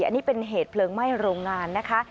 อันนี้เป็นเหตุเพลิงไหม้โรงงานนะคะ